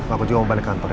aku juga mau balik kantor ya